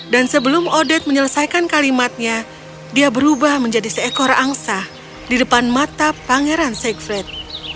dan sebelum odette menyelesaikan kalimatnya dia berubah menjadi seekor angsa di depan mata pangeran siegfried